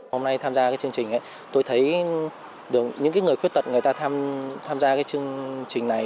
hôm nay tham gia cái chương trình tôi thấy được những người khuyết tật người ta tham gia cái chương trình này